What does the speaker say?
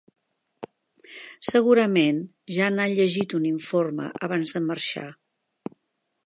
Segurament ja n'ha llegit un informe abans de marxar.